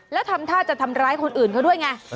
แล้วทำท่าจะทำร้ายคนอื่นเขาด้วยไง